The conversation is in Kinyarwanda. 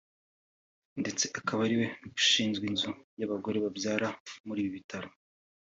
ndetse akaba ari we ushinzwe inzu y’abagore babyara muri ibi bitaro